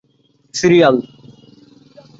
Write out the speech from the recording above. - Serial.